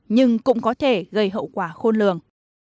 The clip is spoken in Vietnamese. nhưng cũng có thể gây hậu quả khôn lường